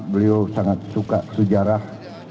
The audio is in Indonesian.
beliau sangat suka sejarah